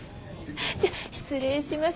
じゃあ失礼します。